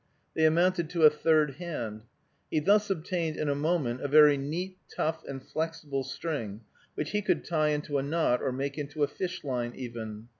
They amounted to a third hand. He thus obtained, in a moment, a very neat, tough, and flexible string, which he could tie into a knot, or make into a fish line even.